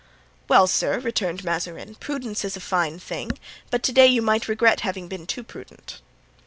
"Well, sir," returned Mazarin, "prudence is a fine thing, but to day you might regret having been too prudent."